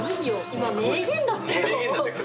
今名言だったよ。